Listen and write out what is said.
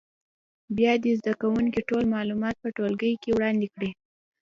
بیا دې زده کوونکي ټول معلومات په ټولګي کې وړاندې کړي.